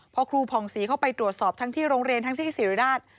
พอครูผ่องศรีเข้าไปตรวจสอบทั้งที่โรงเรียนทั้งที่ศิริราช